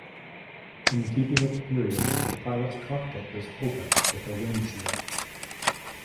In keeping with the period, the pilot's cockpit was open with a windshield.